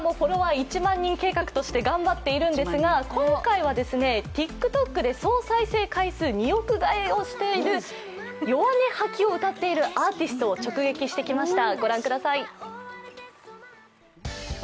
１００００人計画」として頑張っているんですが、今回は、ＴｉｋＴｏｋで総再生回数２億回超えの「ヨワネハキ」を歌っているアーティストを直撃してきました。